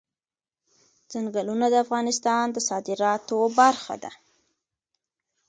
ځنګلونه د افغانستان د صادراتو برخه ده.